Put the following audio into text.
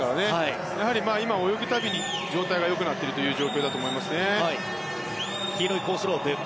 泳ぐたびに状態が良くなっている状況だと思います。